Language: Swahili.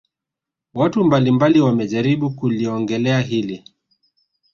Watu mbali mbali wamejaribu kuliongelea hili